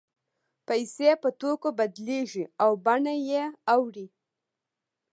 پیسې په توکو بدلېږي او بڼه یې اوړي